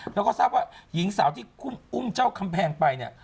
แล้วก็ทราบว่าหญิงสาวที่อุ้มเจ้าคำแพงไปเนี่ย